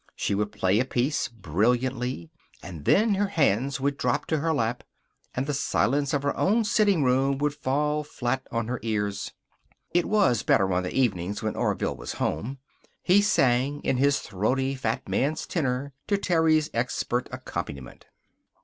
She would play a piece, brilliantly, and then her hands would drop to her lap. And the silence of her own sitting room would fall flat on her ears. It was better on the evenings when Orville was home. He sang, in his throaty, fat man's tenor, to Terry's expert accompaniment.